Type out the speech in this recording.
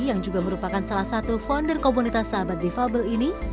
yang juga merupakan salah satu founder komunitas sahabat difabel ini